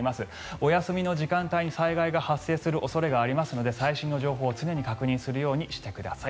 お休みの時間帯に災害が発生する恐れがありますので最新の情報を、常に確認するようにしてください。